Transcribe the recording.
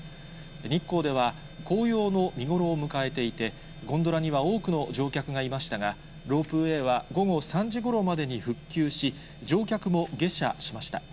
日光では、紅葉の見頃を迎えていて、ゴンドラには多くの乗客がいましたが、ロープウェイは午後３時ごろまでに復旧し、乗客も下車しました。